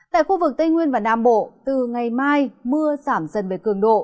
tại khu vực tây nguyên và nam bộ từ ngày mai mưa giảm dần về cường độ